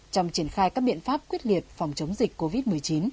trong triển khai các biện pháp quyết liệt phòng chống dịch covid một mươi chín